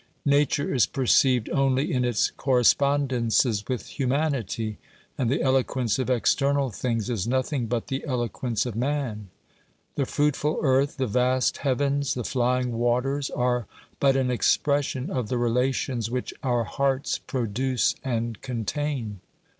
Nature is per ceived only in its correspondences with humanity, and the eloquence of external things is nothing but the eloquence of man. The fruitful earth, the vast heavens, the flying waters, are but an expression of the relations which our hearts produce and contain.